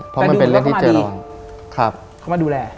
แต่ดูแล้วเข้ามาดีเข้ามาดูแลใช่เพราะมันเป็นเรื่องที่เจอร้อน